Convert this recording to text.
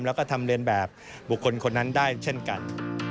แล้วก็ทำเรียนแบบบุคคลคนนั้นได้เช่นกัน